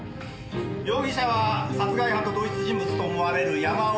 容疑者は殺害犯と同一人物と思われる山岡鎮夫４５歳。